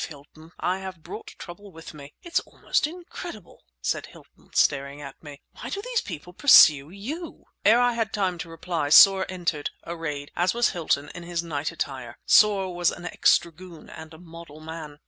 Hilton, I have brought trouble with me!" "It's almost incredible!" said Hilton, staring at me. "Why do these people pursue you?" Ere I had time to reply Soar entered, arrayed, as was Hilton, in his night attire. Soar was an ex dragoon and a model man.